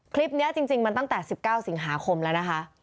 คลิปนี้จริงมันตั้งแต่๑๙สิงหาคมแล้วนะคะ